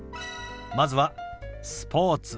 まずは「スポーツ」。